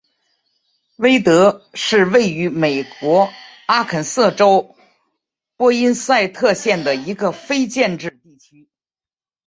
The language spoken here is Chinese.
威德是位于美国阿肯色州波因塞特县的一个非建制地区。